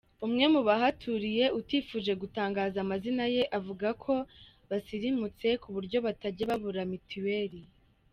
Umwe mu bahatuye utifuje gutangaza amazina ye avuga ko basirimutse kuburyo batajya babura mitiweri.